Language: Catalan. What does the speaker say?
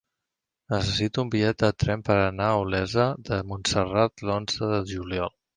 Necessito un bitllet de tren per anar a Olesa de Montserrat l'onze de juliol.